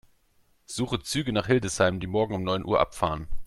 Suche Züge nach Hildesheim, die morgen um neun Uhr abfahren.